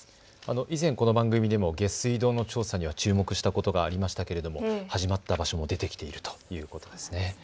以前この番組でも下水道の調査には注目したことがありましたけれども始まった場所も出てきているということですね。